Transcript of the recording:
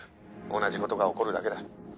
同じことが起こるだけだ。